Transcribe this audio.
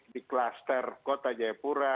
di klaster kota jayapura